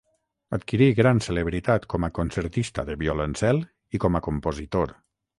Adquirí gran celebritat com a concertista de violoncel i com a compositor.